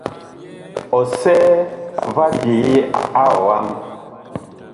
Ɔsɛɛ va ɓyeye a ɔam.